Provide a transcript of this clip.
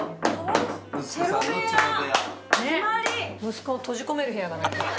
息子を閉じ込める部屋だな。